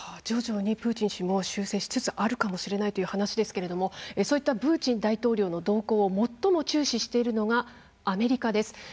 徐々にプーチン氏も修正しつつあるかもしれないという話ですけれどもそういったプーチン大統領の動向を最も注視しているのがアメリカです。